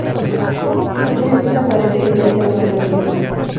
simple vista parece evidente a la mayoría